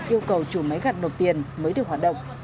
yêu cầu chủ máy gặt nộp tiền mới được hoạt động